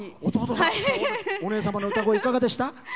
お姉様の歌声いかがでした？